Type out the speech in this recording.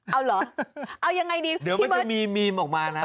เอาเหรอเอายังไงดีเดี๋ยวมันจะมีมีมออกมานะ